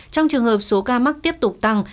trong trường hợp số ca mắc tiếp tục tăng